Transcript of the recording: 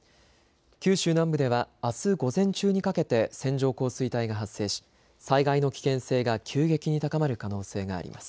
九州南部ではあす午前中にかけて線状降水帯が発生し災害の危険性が急激に高まる可能性があります。